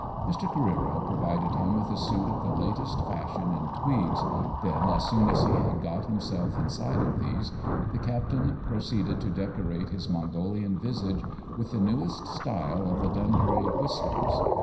JFE SMUGGLE AH CHEONG. 97 Mr. Careero provided him with a suit of the latest fashion in tweeds, then, as soon as he had got himself inside of these, the captain proceeded to decorate his Mongolian visage with the newest style of the Dun dreary whiskers.